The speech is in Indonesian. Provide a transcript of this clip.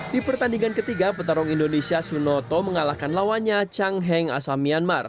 di pertandingan ketiga petarung indonesia sunoto mengalahkan lawannya chang heng asal myanmar